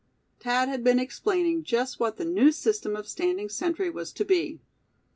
Thad had been explaining just what the new system of standing sentry was to be.